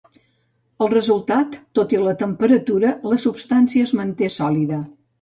El resultat, tot i la temperatura, la substància es manté sòlida.